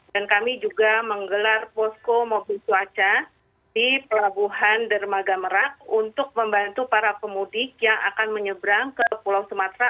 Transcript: dan kami juga menggelar posko mobil cuaca di pelabuhan dermaga merak untuk membantu para pemudik yang akan menyebrang ke pulau sumatra